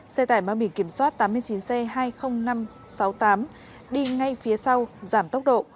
xe tải mang biển kiểm soát tám mươi chín c hai mươi nghìn năm trăm sáu mươi tám đi ngay phía sau giảm tốc độ